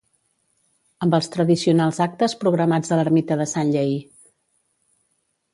amb els tradicionals actes programats a l'ermita de Sant Lleïr